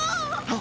あ！？